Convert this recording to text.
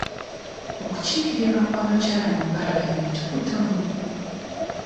Okukiikirirwa kw'abakyala mu paalamenti kutono.